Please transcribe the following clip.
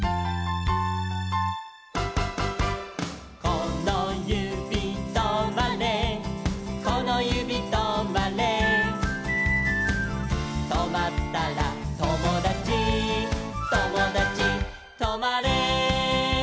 「このゆびとまれこのゆびとまれ」「とまったらともだちともだちとまれ」